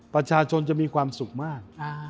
ประชาชนจะมีความสุขมาก